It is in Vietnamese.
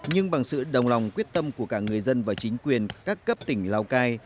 nhưng bằng sự đồng lòng quyết tâm của cả người dân và chính quyền các cấp tỉnh lào cai